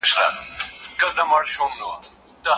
په ښوونځیو کي باید د کتاب مینه وي.